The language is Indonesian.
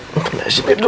mungkin disini dulu